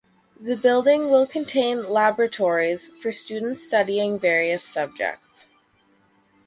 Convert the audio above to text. The building will contain laboratories for students studying various subjects.